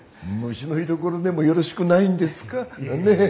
虫の居所でもよろしくないんですか？ね。